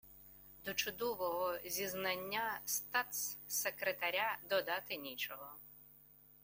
До чудового зізнання статс-секретаря додати нічого